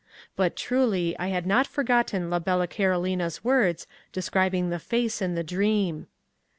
But, truly, I had not forgotten la bella Carolina's words describing the face in the dream.